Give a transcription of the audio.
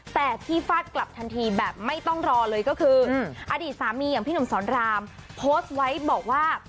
แต่ที่ฟาดกลับทันทีแบบไม่ต้องรอเลยก็คืออดีตสามีอย่างพี่หนุ่มสอนรามโพสต์ไว้บอกว่า